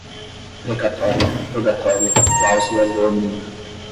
precatória, rogatória, cláusula leonina